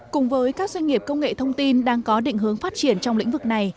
cùng với các doanh nghiệp công nghệ thông tin đang có định hướng phát triển trong lĩnh vực này